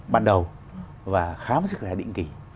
bắt đầu và khám sức khỏe định kỳ